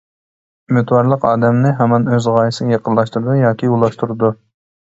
ئۈمىدۋارلىق ئادەمنى ھامان ئۆز غايىسىگە يېقىنلاشتۇرىدۇ ياكى ئۇلاشتۇرىدۇ.